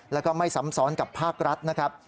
แล้วก็ไม่ซ้ำซ้อนกับภาครัฐนะครับ